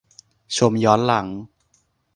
ชมย้อนหลัง